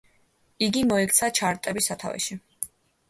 იგი მოექცა ჩარტების სათავეში.